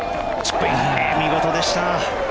見事でした。